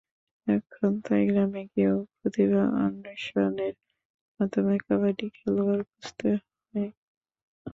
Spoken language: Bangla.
এখন তাই গ্রামে গিয়েও প্রতিভা অন্বেষণের মাধ্যমে কাবাডি খেলোয়াড় খুঁজতে হয়।